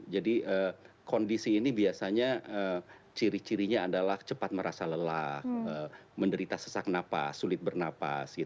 jadi kondisi ini biasanya ciri cirinya adalah cepat merasa lelah menderita sesak nafas sulit bernapas